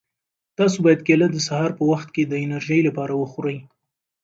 تاسو باید کیله د سهار په وخت کې د انرژۍ لپاره وخورئ.